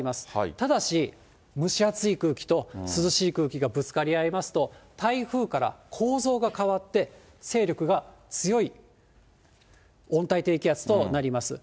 ただし、蒸し暑い空気と涼しい空気がぶつかり合いますと、台風から構造が変わって、勢力が強い温帯低気圧となります。